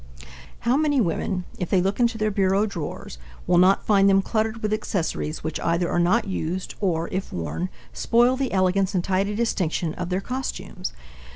How many women, if they look into their bureau drawers, will not find them cluttered with accessories which either are not used or, if worn, spoil the elegance and tidy distinction of their costumes?